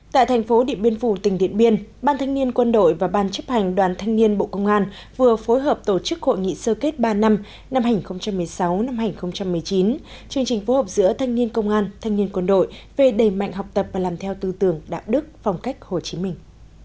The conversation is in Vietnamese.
tại thành phố điện biên phủ tỉnh điện biên ban thanh niên quân đội và ban chấp hành đoàn thanh niên bộ công an vừa phối hợp tổ chức hội nghị sơ kết ba năm năm hai nghìn một mươi sáu hai nghìn một mươi chín chương trình phối hợp giữa thanh niên công an thanh niên quân đội về đầy mạnh học tập và làm theo tư tưởng đạo đức phong cách hồ chí minh